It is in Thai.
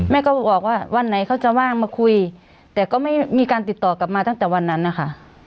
แม่ก็บอกว่าวันไหนเขาจะว่างมาคุยแต่ก็ไม่มีการติดต่อกลับมาตั้งแต่วันนั้นนะคะ